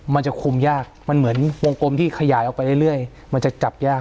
มันจะคุมยากมันเหมือนวงกลมที่ขยายออกไปเรื่อยมันจะจับยาก